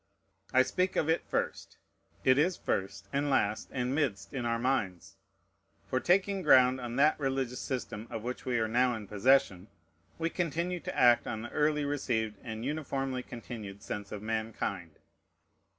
I speak of it first. It is first, and last, and midst in our minds. For, taking ground on that religious system of which we are now in possession, we continue to act on the early received and uniformly continued sense of mankind.